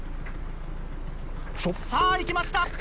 さぁ行きました